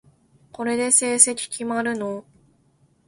これで成績決まるの？